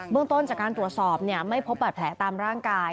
ต้นจากการตรวจสอบไม่พบบาดแผลตามร่างกาย